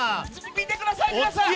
見てください、皆さん！